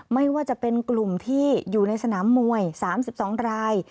ไม่ว่าจะเป็นกลุ่มที่อยู่ในสนามมวย๓๒ราย